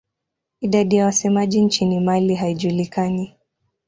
Idadi ya wasemaji nchini Mali haijulikani.